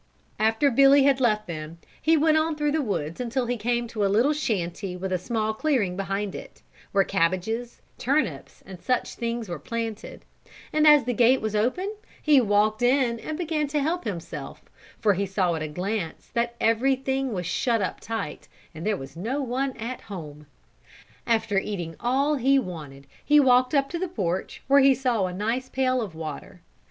After Billy had left them he went on through the woods until he came to a little shanty with a small clearing behind it, where cabbages, turnips and such things were planted, and as the gate was open he walked in and began to help himself for he saw at a glance that everything was shut up tight and that there was no one at home. After eating all he wanted he walked up to the porch where he saw a nice pail of water.